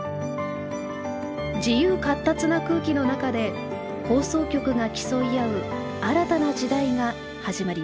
自由闊達な空気の中で放送局が競い合う新たな時代が始まります。